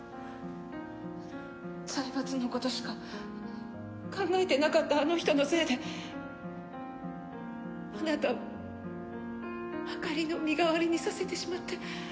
財閥のことしか考えてなかったあの人のせいであなたをあかりの身代わりにさせてしまって。